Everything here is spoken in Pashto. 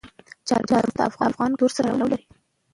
چار مغز د افغان کلتور سره تړاو لري.